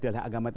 dalam agama itu